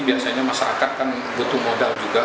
biasanya masyarakat kan butuh modal juga